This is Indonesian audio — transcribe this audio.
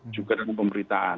juga dengan pemberitaan